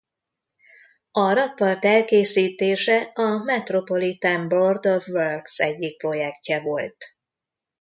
A rakpart elkészítése a Metropolitan Board of Works egyik projektje volt.